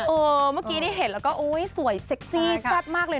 เมื่อกี้ได้เห็นแล้วก็โอ๊ยสวยเซ็กซี่แซ่บมากเลย